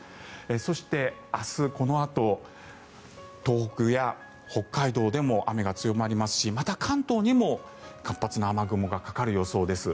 そして明日、このあと東北や北海道でも雨が強まりますしまた、関東にも活発な雨雲がかかる予想です。